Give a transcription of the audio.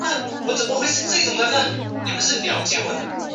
广告也太多了吧